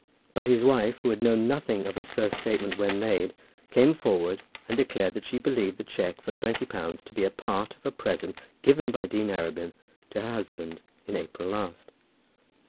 But his wife, who had known nothing of his first statement when made, came forward and declared that she believed the cheque for twenty pounds to be a part of a present given by Dean Arabin to her husband in April last.